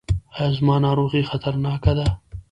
ایا زما ناروغي خطرناکه ده؟